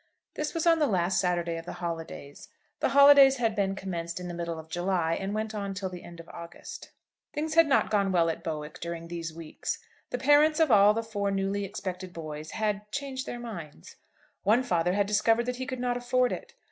This was on the last Saturday of the holidays. The holidays had been commenced in the middle of July, and went on till the end of August. Things had not gone well at Bowick during these weeks. The parents of all the four newly expected boys had changed their minds. One father had discovered that he could not afford it.